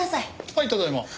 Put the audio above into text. はいただいま。